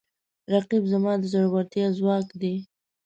رقیب زما د زړورتیا ځواک دی